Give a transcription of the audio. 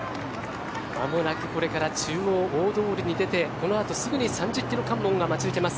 間もなくこれから中央大通に出てこのあとすぐに３０キロ関門が待ち受けます。